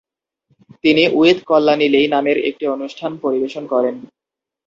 তিনি "উইথ কল্যাণী লেই" নামের একটি অনুষ্ঠান পরিবেশন করেন।